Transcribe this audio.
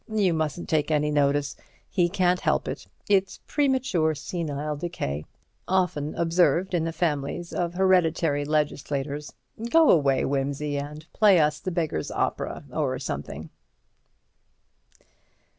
You mustn't take any notice. He can't help it. It's premature senile decay, often observed in the families of hereditary legislators. Go away, Wimsey, and play us the 'Beggar's Opera,' or something."